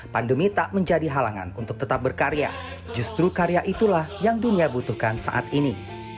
pandemi tak menjadi halangan untuk tetap berkarya justru karya itulah yang dunia butuhkan saat ini